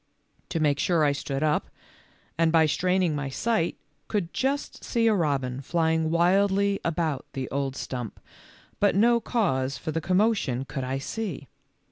To make sure I stood up, and by straining my sight could just see a robin flying wildly about the old stump, but no cause for the com motion could I see.